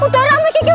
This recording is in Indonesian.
udah rame kiki